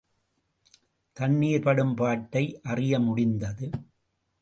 தண்ணீர் படும் பாட்டை அறிய முடிந்தது.